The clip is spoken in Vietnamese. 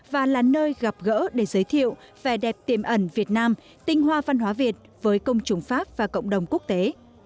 và là nơi gặp gỡ để giới thiệu vẻ đẹp tiềm ẩn việt nam tinh hoa văn hóa việt với công chúng pháp và cộng đồng quốc tế